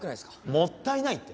「もったいない」って？